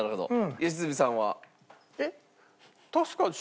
良純さんは？